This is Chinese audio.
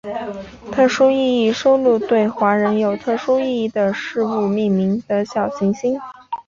特殊意义收录对华人有特殊意义的事物命名的小行星。